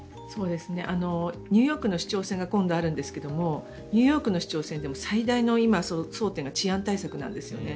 ニューヨークの市長選が今度あるんですけれどもニューヨークの市長選の最大の争点が治安対策なんですよね。